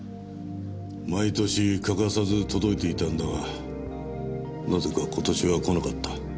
毎年欠かさず届いていたんだがなぜか今年は来なかった。